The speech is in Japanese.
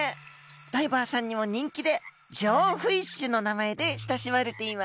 ダイバーさんにも人気で「ジョーフィッシュ」の名前で親しまれています。